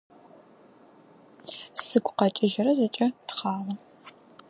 Сыгу къэкӏыжьырэ зэкӏэ тыхъагъо.